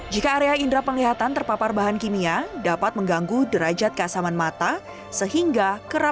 jika area indera penglihatan terpapar bahan kimia dapat mengganggu derajat kasaman mata